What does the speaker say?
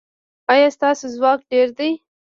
ایا ستاسو ځواک ډیر دی؟